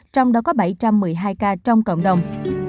trong đó có bảy trăm một mươi hai ca trong cộng đồng